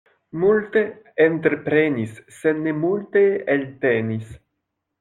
Multe entreprenis, sed ne multe eltenis.